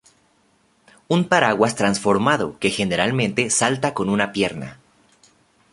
Un paraguas transformado que generalmente salta con una pierna.